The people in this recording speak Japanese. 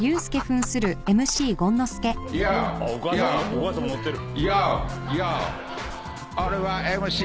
お母さんもノッてる。